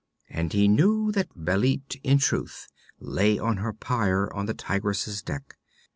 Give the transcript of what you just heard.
And he knew that Bêlit in truth lay on her pyre on the Tigress's deck.